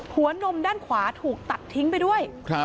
นมด้านขวาถูกตัดทิ้งไปด้วย